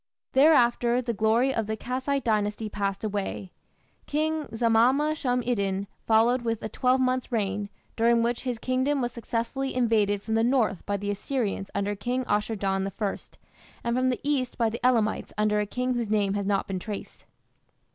Thereafter the glory of the Kassite Dynasty passed away. King Zamama shum iddin followed with a twelvemonth's reign, during which his kingdom was successfully invaded from the north by the Assyrians under King Ashur dan I, and from the east by the Elamites under a king whose name has not been traced.